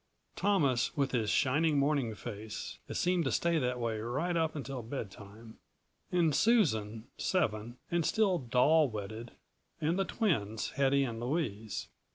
Thomas with his shining morning face it seemed to stay that way right up until bedtime and Susan, seven, and still doll wedded, and the twins, Hedy and Louise.